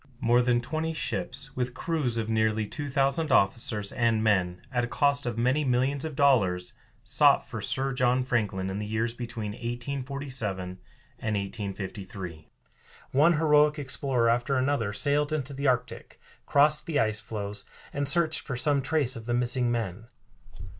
More than twenty ships, with crews of nearly two thousand officers and men, at a cost of many millions of dollars, sought for Sir John Franklin in the years between 1847 and 1853. One heroic explorer after another sailed into the Arctic, crossed the ice floes, and searched for some trace of the missing men.